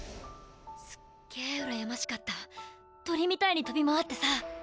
すっげぇ羨ましかった鳥みたいに飛び回ってさ。